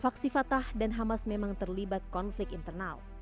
faksi fatah dan hamas memang terlibat konflik internal